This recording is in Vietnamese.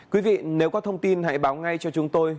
quý vị nếu có thông tin hãy báo ngay cho chúng tôi